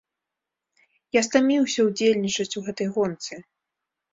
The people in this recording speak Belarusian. Я стаміўся ўдзельнічаць у гэтай гонцы!